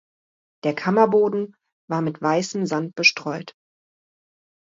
Der Kammerboden war mit weißem Sand bestreut.